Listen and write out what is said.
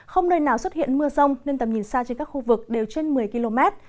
không nơi nào xuất hiện mưa rông nên tầm nhìn xa trên các khu vực đều trên một mươi km